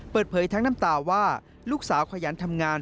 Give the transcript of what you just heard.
เปิดเผยทั้งน้ำตาว่าลูกสาวขยันทำงาน